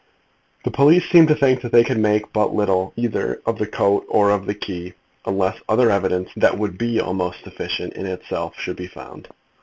The police seemed to think that they could make but little either of the coat or of the key, unless other evidence, that would be almost sufficient in itself, should be found.